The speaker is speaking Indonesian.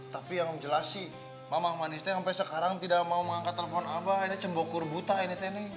tapi yang jelas sih mama maniste sampai sekarang tidak mau mengangkat telepon saya ini cembokur buta ini teh nih